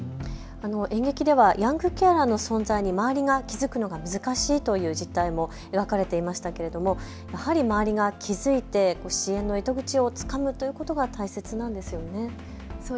演劇ではヤングケアラーの存在に周りが気付くのが難しいという実態も描かれていましたけれどもやはり周りが気付いて支援の糸口をつかむというのが大切ですね。